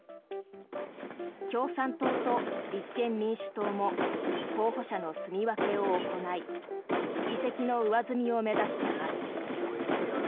共産党と立憲民主党も候補者のすみ分けを行い議席の上積みを目指しています。